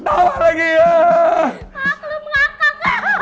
kak lu ngakak kak